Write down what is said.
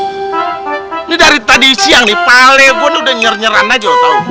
ini dari tadi siang nih pale gue udah nyer nyeran aja lu tahu